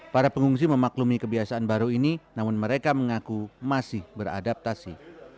para pengungsi memaklumi kebiasaan baru ini namun mereka mengaku masih beradaptasi